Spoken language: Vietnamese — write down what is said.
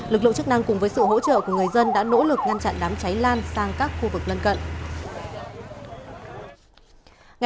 lực lượng chức năng cùng với sự hỗ trợ của người dân đã nỗ lực ngăn chặn đám cháy lan sang các khu vực lân cận